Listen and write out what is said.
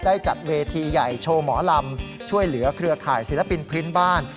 จัดเวทีใหญ่โชว์หมอลำช่วยเหลือเครือข่ายศิลปินพื้นบ้าน